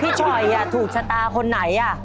ฉ่อยถูกชะตาคนไหน